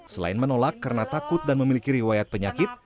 selain menolak karena takut dan memiliki riwayat penyakit